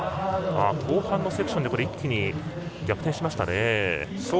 後半のセクションで一気に逆転しましたね。